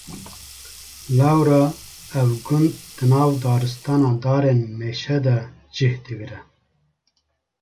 Lewra ev gund di nav daristana darên mêşe de cih digire.